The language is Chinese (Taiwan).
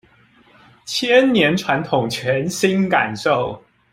千年傳統全新感受